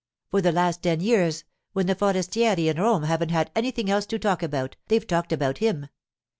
'For the last ten years, when the forestieri in Rome haven't had anything else to talk about, they've talked about him.